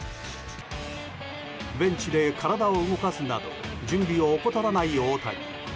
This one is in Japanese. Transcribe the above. ベンチで体を動かすなど準備を怠らない大谷。